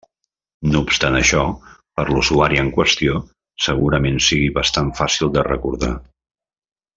No obstant això, per a l'usuari en qüestió segurament sigui bastant fàcil de recordar.